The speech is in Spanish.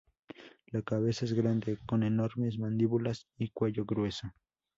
La cabeza es grande, con enormes mandíbulas y cuello grueso.